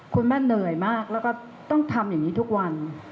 คุณแม่เหนื่อยมากแล้วก็ต้องทำอย่างนี้ทุกวัน